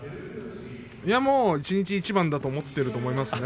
いやあ、もう一日一番だと思っていると思います。